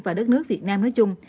và đất nước việt nam nói chung